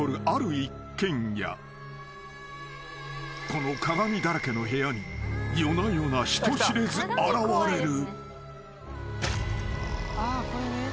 ［この鏡だらけの部屋に夜な夜な人知れず現れる］